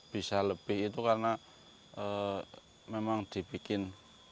bisa lebih itu karena memang dibikin